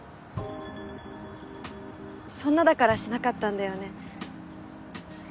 そんなだからしなかったんだよね